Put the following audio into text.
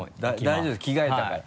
大丈夫です着替えたから。